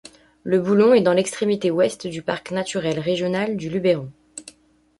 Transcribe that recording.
Le Boulon est dans l'extrémité ouest du Parc naturel régional du Luberon.